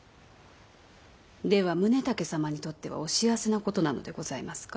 では宗武様にとってはお幸せなことなのでございますか？